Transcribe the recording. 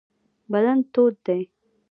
بدن تود دی.